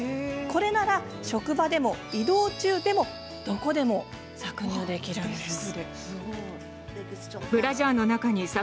これなら職場でも移動中でもどこでも搾乳できちゃいます。